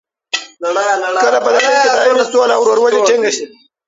کله به په نړۍ کې دایمي سوله او رورولي ټینګه شي؟